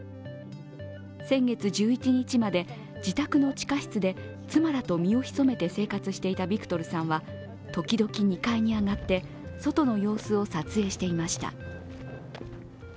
先月１１日まで自宅の地下室で妻らと身を潜めて生活をしていたビクトルさんは、時々、２階に上がって外の様子を撮影していました。